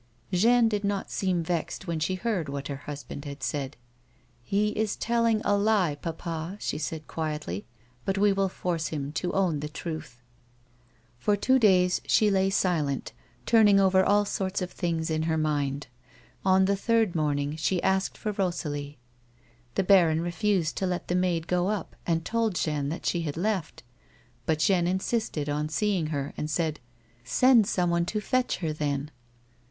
Jeanne did not seem vexed when she heard what her husband had said. " He is telling a lie, papa," she said, quietly ;" but we will force him to own the truth." For two days she lay silent, turning over all sorts of things in her mind ; on the third morning she asked for Rosalie. The baron refused to let the maid go up and told Jeanne that she had left. But Jeanne insisted on seeing her, and said :" Send someone to fetch her then.